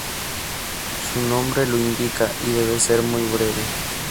Su nombre lo indica, y debe ser muy breve.